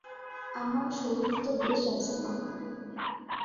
আমার শরীর তো বেশ আছে মা।